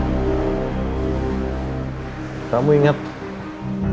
hai kamu ingat haruslah kami kasih terima kasih